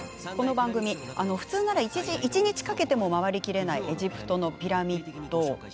普通なら一日かけても回りきれないエジプトのピラミッド。